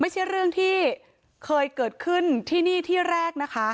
ไม่ใช่เรื่องที่เคยเกิดขึ้นที่นี่ที่แรกนะคะ